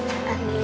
aduh maaf deh neng